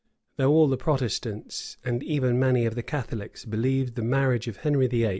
Though all the Protestants, and even many of the Catholics, believed the marriage of Henry VIII.